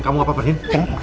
kamu apa pak erlin